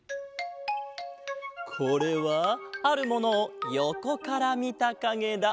これはあるものをよこからみたかげだ。